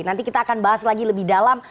nanti kita akan bahas lagi lebih dalam